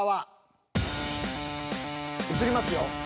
映りますよ。